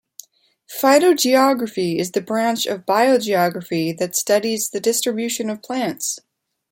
Phytogeography is the branch of biogeography that studies the distribution of plants.